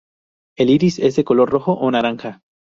El iris es de color rojo o naranja.